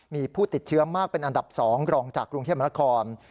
มีผู้ติดเชื้อมากเป็นอันดับ๒รองจากกรุงเทพมนาคม